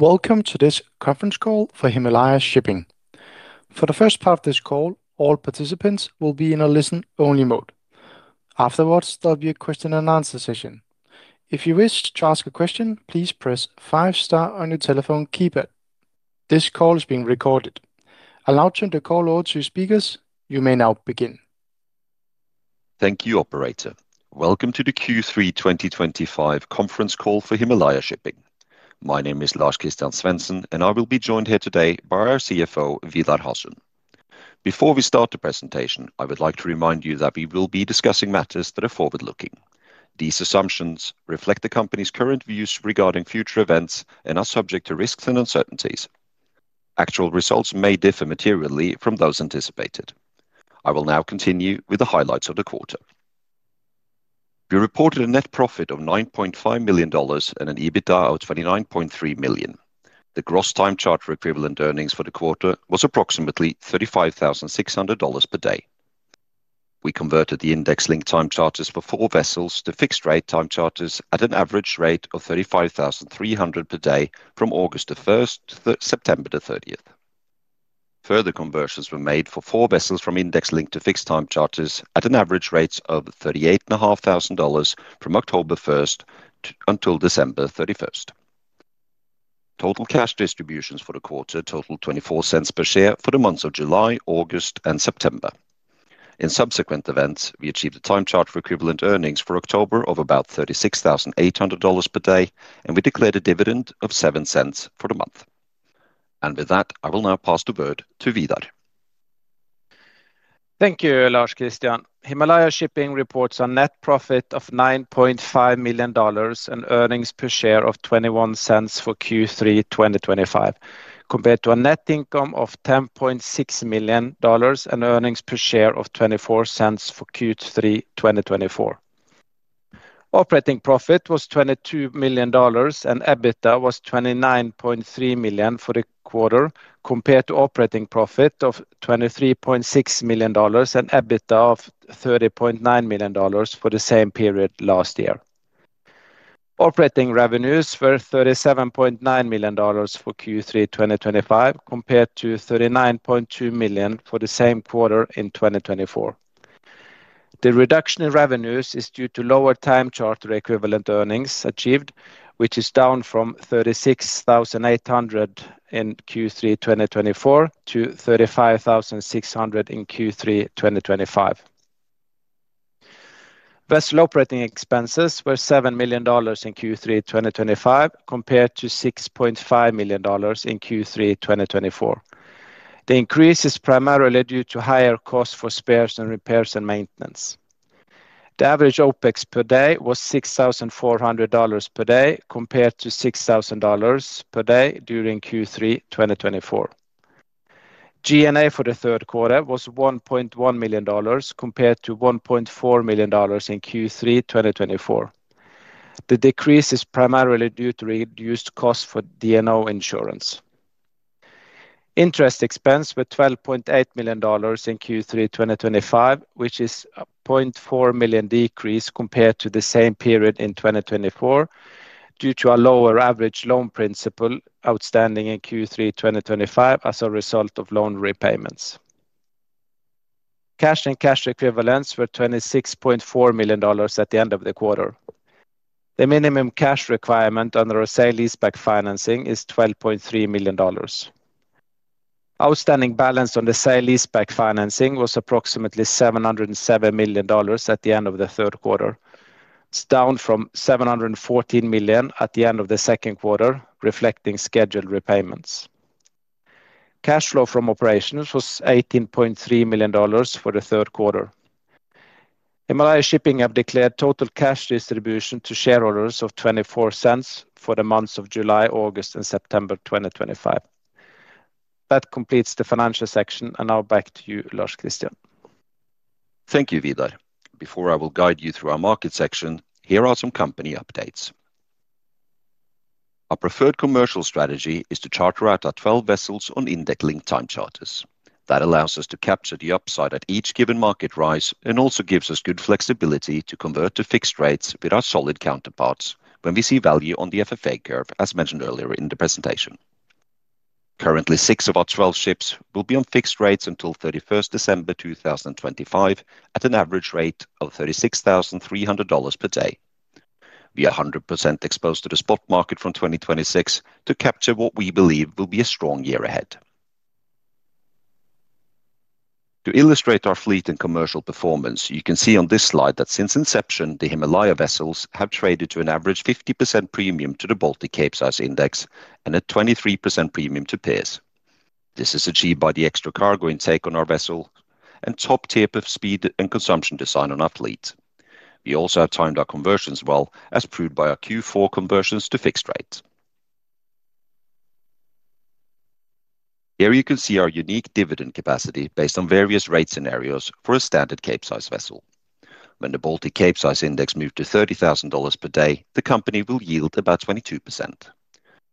Welcome to this conference call for Himalaya Shipping. For the first part of this call, all participants will be in a listen-only mode. Afterwards, there will be a question-and-answer session. If you wish to ask a question, please press five-star on your telephone keypad. This call is being recorded. Allowed to enter call orders to your speakers. You may now begin. Thank you, operator. Welcome to the Q3 2025 conference call for Himalaya Shipping. My name is Lars-Christian Svensen, and I will be joined here today by our CFO, Vidar Hasund. Before we start the presentation, I would like to remind you that we will be discussing matters that are forward-looking. These assumptions reflect the company's current views regarding Future Events and are subject to Risks and Uncertainties. Actual results may differ materially from those anticipated. I will now continue with the highlights of the quarter. We reported a net profit of $9.5 million and an EBITDA of $29.3 million. The gross time charter Equivalent Earnings for the quarter was approximately $35,600 per day. We converted the Index-Linked Time Charters for four vessels to Fixed-Rate Time Charters at an average rate of $35,300 per day from August 1st to September 30th. Further conversions were made for four vessels from index-linked to fixed-Time Charters at an average rate of $38,500 from October 1st until December 31st. Total cash distributions for the quarter totaled $0.24 per share for the months of July, August, and September. In subsequent events, we achieved a time charter equivalent earnings for October of about $36,800 per day, and we declared a dividend of $0.07 for the month. I will now pass the word to Vidar. Thank you, Lars-Christian. Himalaya Shipping reports a Net Profit of $9.5 million and earnings per share of $0.21 for Q3 2025, compared to a Net Income of $10.6 million and earnings per share of $0.24 for Q3 2024. Operating Profit was $22 million, and EBITDA was $29.3 million for the quarter, compared to Operating Profit of $23.6 million and EBITDA of $30.9 million for the same period last year. Operating Revenues were $37.9 million for Q3 2025, compared to $39.2 million for the same quarter in 2024. The reduction in revenues is due to lower Time Charter equivalent earnings achieved, which is down from $36,800 in Q3 2024 to $35,600 in Q3 2025. Vessel Operating Expenses were $7 million in Q3 2025, compared to $6.5 million in Q3 2024. The increase is primarily due to higher costs for Spares and Repairs and Maintenance. The average OpEX per day was $6,400 per day, compared to $6,000 per day during Q3 2024. G&A for the third quarter was $1.1 million, compared to $1.4 million in Q3 2024. The decrease is primarily due to reduced costs for D&O Insurance. Interest expense was $12.8 million in Q3 2025, which is a $0.4 million decrease compared to the same period in 2024 due to a lower Average Loan Principal outstanding in Q3 2025 as a result of loan repayments. Cash and Cash Equivalents were $26.4 million at the end of the quarter. The minimum cash requirement under sale leaseback financing is $12.3 million. Outstanding balance on the sale leaseback financing was approximately $707 million at the end of the third quarter. It's down from $714 million at the end of the second quarter, reflecting scheduled repayments. Cash flow from operations was $18.3 million for the third quarter. Himalaya Shipping have declared total cash distribution to shareholders of $0.24 for the months of July, August, and September 2025. That completes the Financial Section, and now back to you, Lars-Christian. Thank you, Vidar. Before I will guide you through our market section, here are some company updates. Our preferred commercial strategy is to charter out our 12 vessels on Index-Linked Time Charters. That allows us to capture the upside at each given market rise and also gives us good flexibility to convert to Fixed Rates with our solid counterparts when we see value on the FFA Curve, as mentioned earlier in the presentation. Currently, six of our 12 ships will be on Fixed Rates until 31st December 2025 at an Average Rate of $36,300 per day. We are 100% exposed to the spot market from 2026 to capture what we believe will be a strong year ahead. To illustrate our fleet and commercial performance, you can see on this slide that since inception, the Himalaya vessels have traded to an average 50% premium to the Baltic Capesize Index and a 23% premium to peers. This is achieved by the extra cargo intake on our vessel and top tier per speed and consumption design on our fleet. We also have timed our conversions well, as proved by our Q4 conversions to Fixed Rates. Here you can see our unique dividend capacity based on various rate scenarios for a standard cape size vessel. When the Baltic Capesize Index moved to $30,000 per day, the company will yield about 22%.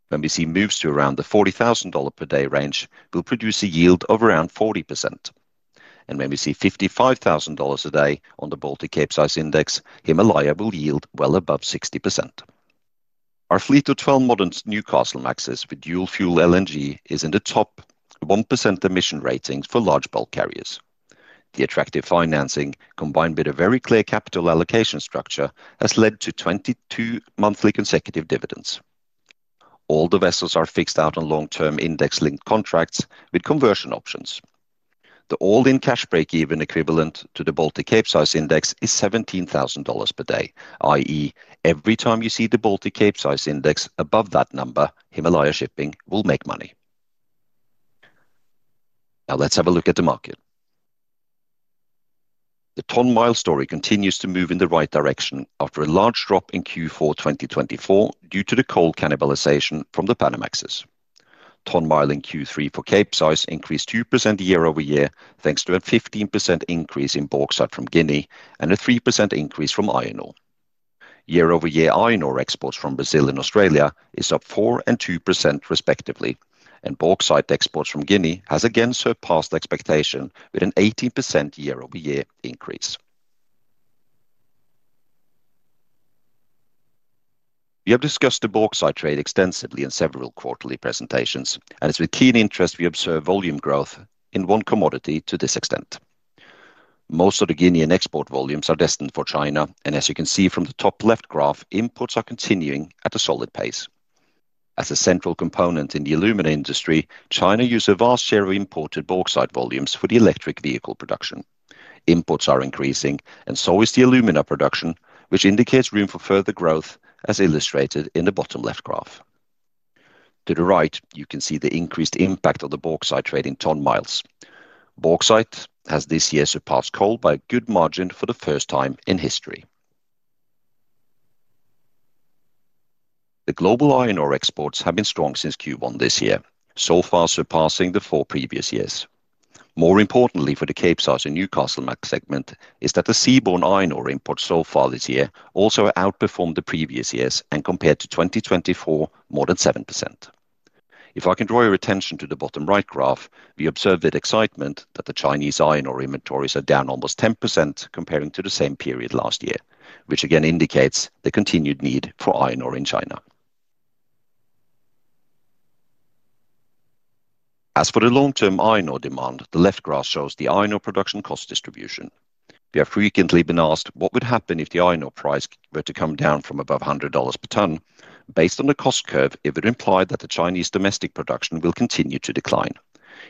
When we see moves to around the $40,000 per day range, we'll produce a yield of around 40%. When we see $55,000 a day on the Baltic Capesize Index, Himalaya will yield well above 60%. Our fleet of 12 modern Newcastlemaxes with dual fuel LNG is in the top 1% emission ratings for Large Bulk Carriers. The attractive financing, combined with a very clear Capital Allocation structure, has led to 22 monthly consecutive dividends. All the vessels are fixed out on long-term index-linked contracts with conversion options. The all-in cash break-even equivalent to the Baltic Capesize Index is $17,000 per day, i.e., every time you see the Baltic Capesize Index above that number, Himalaya Shipping will make money. Now let's have a look at the market. The ton-mile story continues to move in the right direction after a large drop in Q4 2024 due to the coal cannibalization from the Panamaxes. Ton-mile in Q3 for Capesize increased 2% year-over-year, thanks to a 15% increase in Bauxite from Guinea and a 3% increase from iron ore. Year-over-year, iron ore exports from Brazil and Australia is up 4% and 2% respectively, and Bauxite Exports from Guinea has again surpassed expectation with an 18% year-over-year increase. We have discussed the Bauxite trade extensively in several quarterly presentations, and it is with keen interest we observe volume growth in one commodity to this extent. Most of the Guinean export volumes are destined for China, and as you can see from the top left graph, imports are continuing at a solid pace. As a central component in the aluminum industry, China uses a vast share of imported Bauxite Volumes for the Electric Vehicle Production. Imports are increasing, and so is the Alumina Production, which indicates room for further growth, as illustrated in the bottom left graph. To the right, you can see the increased impact of the Bauxite Trade in ton miles. Bauxite has this year surpassed coal by a good margin for the first time in history. The global Iron Ore Exports have been strong since Q1 this year, so far surpassing the four previous years. More importantly for the Capesize and Newcastlemax segment is that the seaborne iron ore imports so far this year also outperformed the previous years and compared to 2024 more than 7%. If I can draw your attention to the bottom right graph, we observe with excitement that the Chinese Iron Ore Inventories are down almost 10% comparing to the same period last year, which again indicates the continued need for Iron Ore in China. As for the long-term Iron Ore demand, the left graph shows the Iron Ore production cost distribution. We have frequently been asked what would happen if the iron ore price were to come down from above $100 per ton. Based on the Cost Curve, it would imply that the Chinese Domestic Production will continue to decline.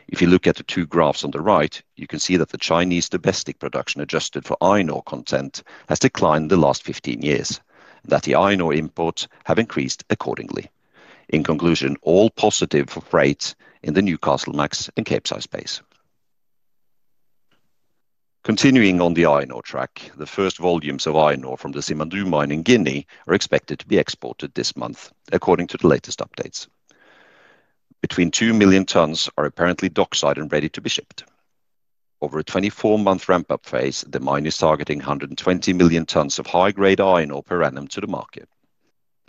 If you look at the two graphs on the right, you can see that the Chinese Domestic Production adjusted for Iron Ore content has declined in the last 15 years, and that the Iron Ore imports have increased accordingly. In conclusion, all positive for freight in the Newcastlemax and Capesize space. Continuing on the Iron Ore track, the first volumes of Iron Ore from the Simandou mine in Guinea are expected to be exported this month, according to the latest updates. Between 2 million tons are apparently dockside and ready to be shipped. Over a 24-month ramp-up phase, the mine is targeting 120 million tons of high-grade Iron Ore per annum to the market.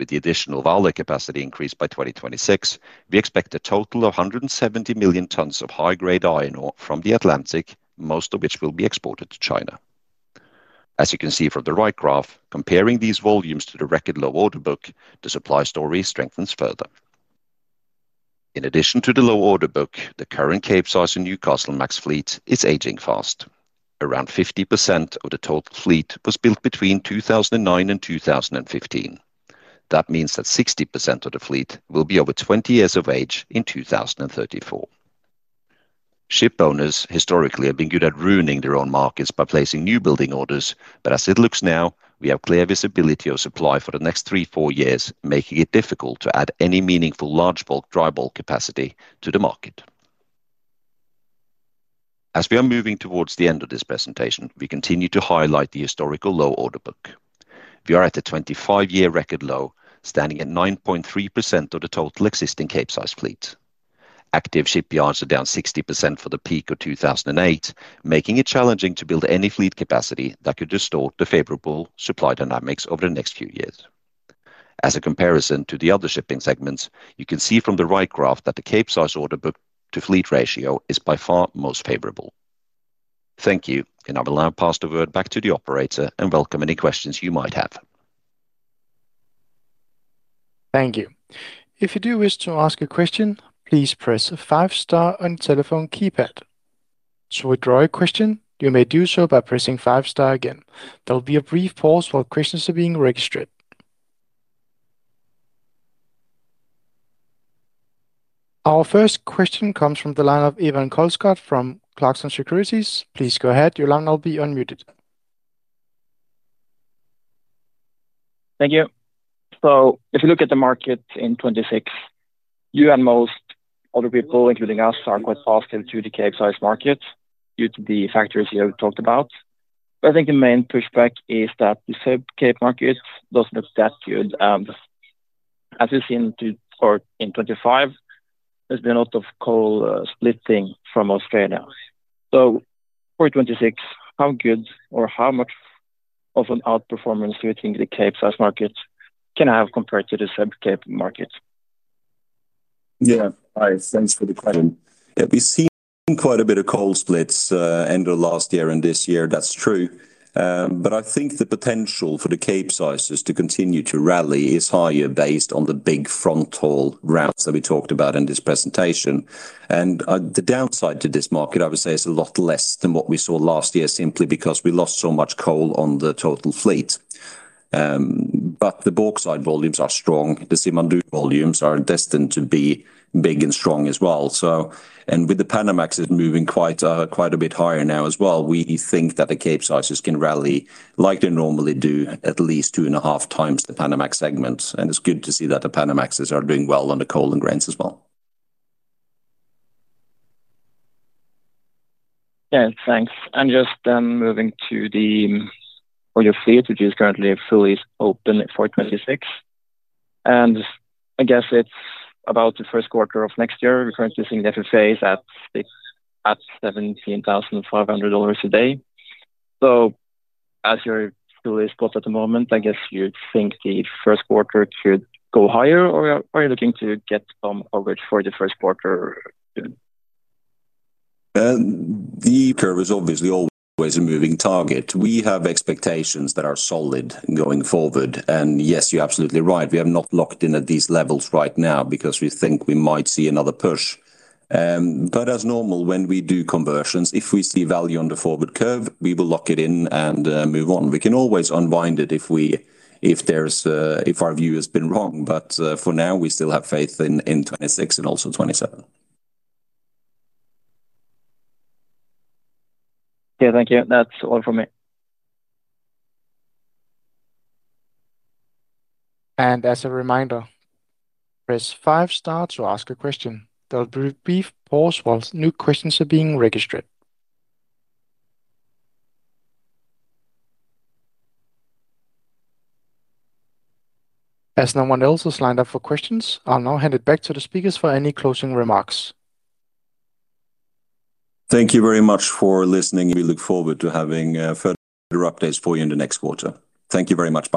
With the additional Vale capacity increased by 2026, we expect a total of 170 million tons of high-grade Iron Ore from the Atlantic, most of which will be exported to China. As you can see from the right graph, comparing these volumes to the record low order book, the supply story strengthens further. In addition to the low order book, the current Capesize and Newcastlemax Fleet is aging fast. Around 50% of the Total Fleet was built between 2009 and 2015. That means that 60% of the Fleet will be over 20 years of age in 2034. Ship owners historically have been good at ruining their own markets by placing new building orders, but as it looks now, we have clear visibility of supply for the next three to four years, making it difficult to add any meaningful large bulk dry bulk capacity to the market. As we are moving towards the end of this presentation, we continue to highlight the historical low order book. We are at a 25-year record low, standing at 9.3% of the total existing Capesize Fleet. Active shipyards are down 60% from the peak of 2008, making it challenging to build any fleet capacity that could distort the favorable supply dynamics over the next few years. As a comparison to the other shipping segments, you can see from the right graph that the Capesize order book to Fleet Ratio is by far most favorable. Thank you, and I will now pass the word back to the operator and welcome any questions you might have. Thank you. If you do wish to ask a question, please press the five-star on the telephone keypad. To withdraw a question, you may do so by pressing five-star again. There will be a brief pause while questions are being registered. Our first question comes from the line of Even Kolsgaard from Clarksons Securities. Please go ahead. Your line will be unmuted. Thank you. If you look at the market in 2026, you and most other people, including us, are quite fast into the Capesize Market due to the factors you talked about. I think the main pushback is that the sub-cape market does not look that good. As we have seen in 2025, there has been a lot of coal splitting from Australia. For 2026, how good or how much of an outperformance do you think the Capesize Market can have compared to the sub-cape market? Yeah, hi, thanks for the question. Yeah, we've seen quite a bit of coal splits end of last year and this year. That's true. I think the potential for the cape sizes to continue to rally is higher based on the big frontal ramps that we talked about in this presentation. The downside to this market, I would say, is a lot less than what we saw last year, simply because we lost so much coal on the total fleet. The bulk side volumes are strong. The Simandou volumes are destined to be big and strong as well. With the Panamaxes moving quite a bit higher now as well, we think that the Capesizes can rally like they normally do, at least two and a half times the Panamax segment. It's good to see that the Panamaxes are doing well on the coal and grains as well. Yeah, thanks. I'm just moving to the. For your Fleet, which is currently fully open for 2026. I guess it's about the first quarter of next year. We're currently seeing the FFA is at $17,500 a day. As you're fully spot at the moment, I guess you'd think the first quarter could go higher, or are you looking to get some coverage for the first quarter? The curve is obviously always a moving target. We have expectations that are solid going forward. Yes, you're absolutely right. We are not locked in at these levels right now because we think we might see another push. As normal, when we do conversions, if we see value on the Forward Curve, we will lock it in and move on. We can always unwind it if our view has been wrong. For now, we still have faith in 2026 and also 2027. Yeah, thank you. That's all from me. As a reminder, press five-star to ask a question. There will be a brief pause while new questions are being registered. As no one else has lined up for questions, I'll now hand it back to the speakers for any closing remarks. Thank you very much for listening. We look forward to having further updates for you in the next quarter. Thank you very much.